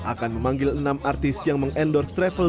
akan memanggil enam artis yang meng endorse travel